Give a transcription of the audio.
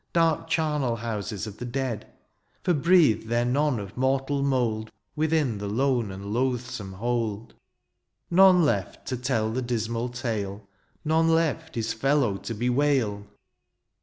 Dark chamel houses of the dead ; For breathed there none of mortal mould Within the lone and loathsome hold. None left to tell the dismal tale. None left his fellow to bewail